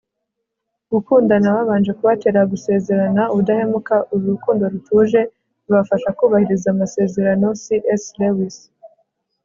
gukundana babanje kubatera gusezerana ubudahemuka uru rukundo rutuje rubafasha kubahiriza amasezerano - c s lewis